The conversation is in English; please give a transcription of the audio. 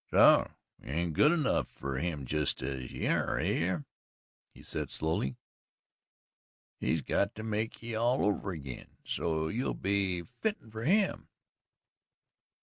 "So you ain't good enough fer him jest as ye air air ye?" he said slowly. "He's got to make ye all over agin so's you'll be fitten fer him."